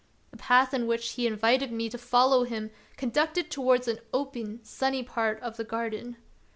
The path in which he invited me to follow him conducted towards an open, sunny part of the garden.